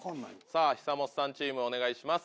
さぁ久本さんチームお願いします。